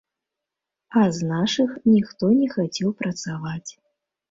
А з нашых ніхто не хацеў працаваць.